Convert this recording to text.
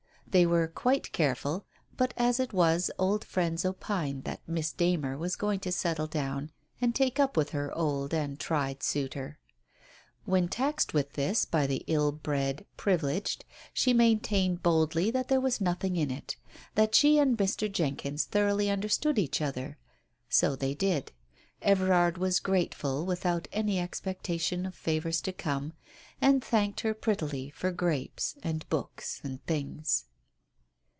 They were quite careful — but as it was A old friends opined that Miss Darner was going to settle down and take up with her old and tried suitor. When taxed with this by the ill bred privileged she maintained boldly that there was nothing in it, that she and Mr. Jenkyns thoroughly understood each other. So they did. Everard was grateful without any expectation of favours to come, and thanked her prettily for grapes and books and things.